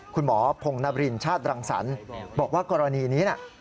คุณหมอพงนบรินชาติรังสรรค์บอกว่ากรณีนี้นะ